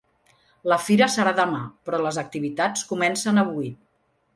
La fira serà demà però les activitats comencen avui.